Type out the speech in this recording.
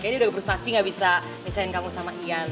kayaknya dia udah berpustasi gak bisa misahin kamu sama ian